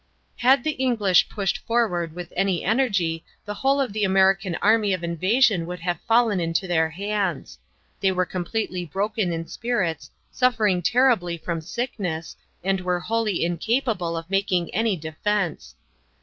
Had the English pushed forward with any energy the whole of the American army of invasion would have fallen into their hands. They were completely broken in spirits, suffering terribly from sickness, and were wholly incapable of making any defense.